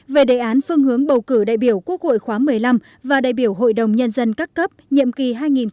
về đề án phương hướng bầu cử đại biểu quốc hội khóa một mươi năm và đại biểu hội đồng nhân dân các cấp nhiệm kỳ hai nghìn hai mươi một hai nghìn hai mươi sáu